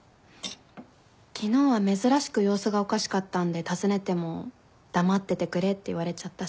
昨日は珍しく様子がおかしかったんで尋ねても黙っててくれって言われちゃったし。